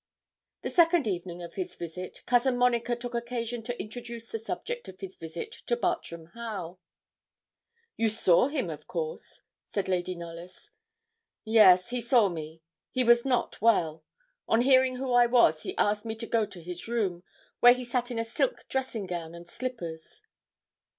The second evening of his visit, Cousin Monica took occasion to introduce the subject of his visit to Bartram Haugh. 'You saw him, of course?' said Lady Knollys. 'Yes, he saw me; he was not well. On hearing who I was, he asked me to go to his room, where he sat in a silk dressing gown and slippers.'